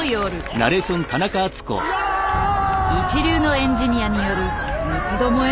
一流のエンジニアによる三つどもえの戦い。